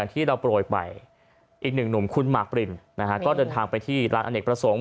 ที่เราโปรยไปอีกหนึ่งหนุ่มคุณหมากปรินนะฮะก็เดินทางไปที่ร้านอเนกประสงค์